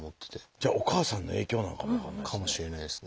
じゃあお母さんの影響なのかな？かもしれないですね。